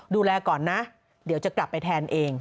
ดูแลก่อนนะเดี๋ยวจะกลับไปแทนเอง